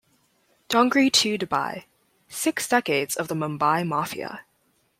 Dongri to Dubai: Six Decades of the Mumbai Mafia.